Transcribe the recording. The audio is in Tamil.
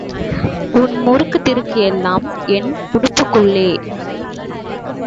உன் முறுக்குத் திறுக்கு எல்லாம் என் உடுப்புக்குன்ளே.